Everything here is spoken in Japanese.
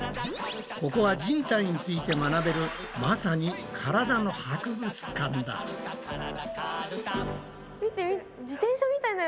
ここは人体について学べるまさに見て見て。